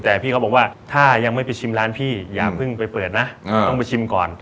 แต่พี่เขาบอกว่าถ้ายังไม่ไปชิมร้านพี่อย่าเพิ่งไปเปิดนะต้องไปชิมก่อน